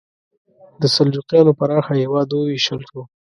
د سلجوقیانو پراخه هېواد وویشل شو.